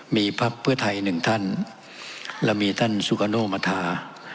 มีภักดิ์เพื่อไทย๑ท่านและมีท่านสุกโกโนมภาษา